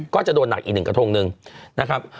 ก็จะโดนหนักอีกหนึ่งกระทงหนึ่งนะครับ